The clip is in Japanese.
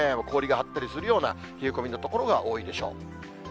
氷が張ったりするような冷え込みの所が多いでしょう。